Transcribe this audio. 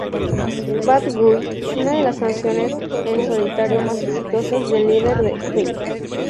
Bad Guy", una de las canciones en solitario más exitosas del líder de Queen.